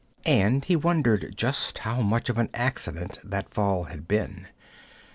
And he wondered just how much of an accident that fall had been.